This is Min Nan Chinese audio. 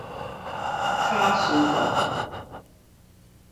巧司購